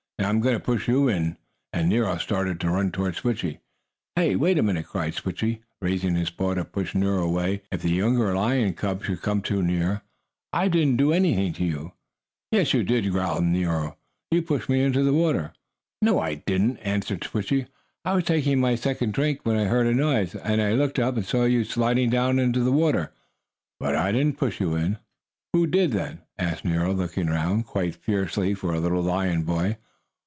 Now I'm going to push you in!" and Nero started to run toward Switchie. "Hey! Wait a minute!" cried Switchie, raising his paw to push Nero away if the younger lion cub should come too near. "I didn't do anything to you." "Yes, you did!" growled Nero. "You pushed me into the water!" "No, I didn't!" answered Switchie. "I was taking my second drink, when I heard a noise, and I looked up and saw you sliding down into the water. But I didn't push you in." "Who did, then?" asked Nero, looking around, quite fiercely for a little lion boy.